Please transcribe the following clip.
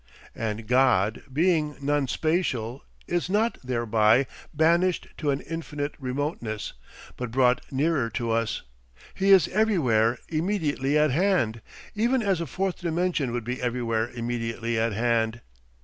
And God being non spatial is not thereby banished to an infinite remoteness, but brought nearer to us; he is everywhere immediately at hand, even as a fourth dimension would be everywhere immediately at hand.